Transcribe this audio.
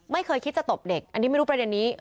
ไม่เคยคิดจะตบเด็กอันนี้ไม่รู้ประเด็นนี้